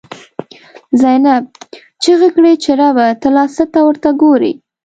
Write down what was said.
زینب ” چیغی کړی چی ربه، ته لا څه ته ورته ګوری”